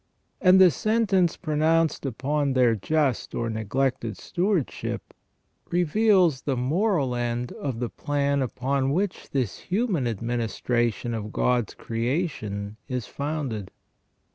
And the sentence pronounced upon their just or neglected stewardship reveals the moral end of the plan upon which this human admini stration of God's creation is founded.